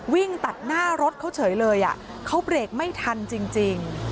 วิ่งตัดหน้ารถเขาเฉยเลยเขาเบรกไม่ทันจริง